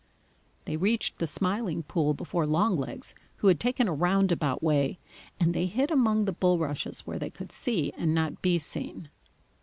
They reached the Smiling Pool before Longlegs, who had taken a roundabout way, and they hid among the bulrushes where they could see and not be seen.